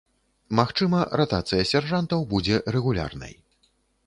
Магчыма, ратацыя сяржантаў будзе рэгулярнай.